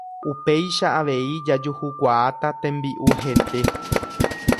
Upéicha avei jajuhukuaáta tembi'u hete